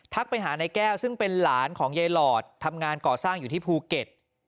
ไปหานายแก้วซึ่งเป็นหลานของยายหลอดทำงานก่อสร้างอยู่ที่ภูเก็ต